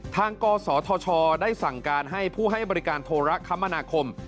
กศธชได้สั่งการให้ผู้ให้บริการโทรคมนาคม